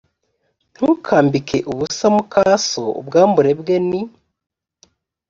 ntukambike ubusa muka so ubwambure bwe ni